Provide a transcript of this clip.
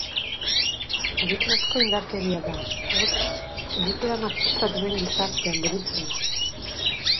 Egiturazko indarkeria da, hots, egitura matxista duen gizartean burutzen da.